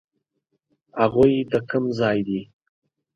هغوی د کوم ځای دي؟